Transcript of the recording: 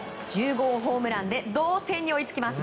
１０号ホームランで同点に追いつきます。